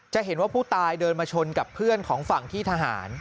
จะเห็นว่าผู้ตายเดินมาชนกับเพื่อนของฝั่งที่ทหาร